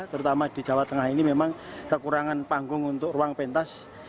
terutama di jawa tengah ini memang kekurangan panggung untuk ruang pentas